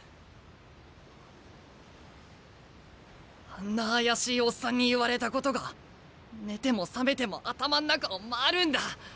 あんな怪しいオッサンに言われたことが寝ても覚めても頭ん中を回るんだ。